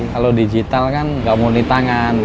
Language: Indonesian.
kalau digital kan nggak muni tangan